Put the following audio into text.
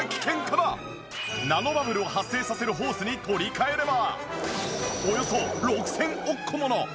ナノバブルを発生させるホースに取り換えれば。